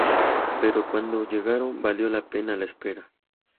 Pero cuando llegaron valió la pena la espera.